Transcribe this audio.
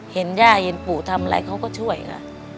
เห็นย่าเห็นปู่ทำอะไรเขาก็ช่วยค่ะ